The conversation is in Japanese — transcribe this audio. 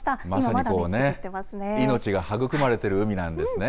まさに命が育まれている海なんですね。